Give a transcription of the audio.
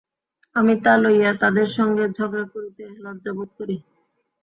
আমি তা লইয়া তাদের সঙ্গে ঝগড়া করিতে লজ্জা বোধ করি।